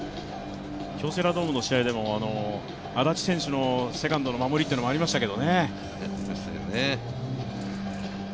京セラドームの試合でも、安達選手のセカンドの守りもありましたけど。